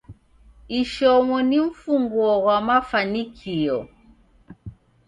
Ishomo ni mfunguo ghwa mafanikio.